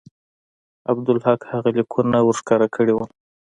عبدالحق هغه لیکونه ورښکاره کړي وو.